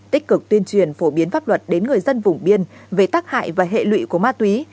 tích cực tuyên truyền phổ biến pháp luật đến người dân vùng biên về tác hại và hệ lụy của ma túy